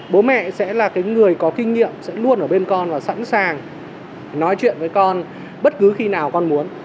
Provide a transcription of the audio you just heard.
bố mẹ sẽ là cái người có kinh nghiệm sẽ luôn ở bên con và sẵn sàng nói chuyện với con bất cứ khi nào con muốn